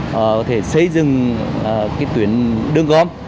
có thể xây dựng tuyến đương gom